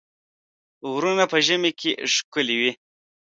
غرونه په ژمي کې ښکلي وي.